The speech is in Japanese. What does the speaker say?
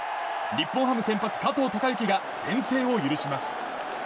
日本ハム先発、加藤貴之が先制を許します。